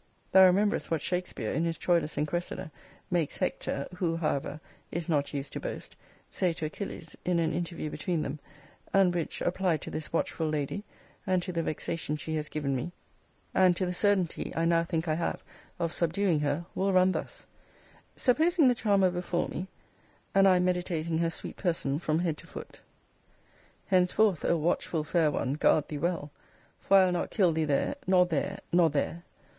Thou remembrest what Shakespeare, in his Troilus and Cressida, makes Hector, who, however, is not used to boast, say to Achilles in an interview between them; and which, applied to this watchful lady, and to the vexation she has given me, and to the certainty I now think I have of subduing her, will run thus: supposing the charmer before me; and I meditating her sweet person from head to foot: Henceforth, O watchful fair one, guard thee well: For I'll not kill thee there! nor there! nor there!